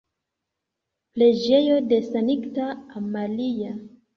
Preĝejo de Sankta Amalia.